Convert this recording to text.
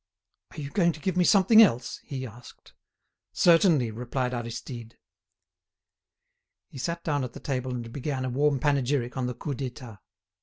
"Are you going to give me something else?" he asked. "Certainly," replied Aristide. He sat down at the table and began a warm panegyric on the Coup d'État.